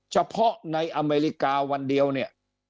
เฉพาะในอเมริกาวันเดียวเนี่ย